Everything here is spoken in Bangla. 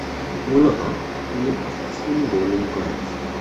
মূলতঃ তিনি অফ-স্পিন বোলিং করেন।